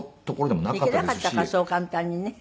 行けなかったからそう簡単にね。